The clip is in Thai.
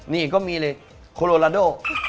มีก็มีเลยคอโลราโด